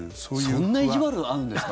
そんないじわるあるんですか？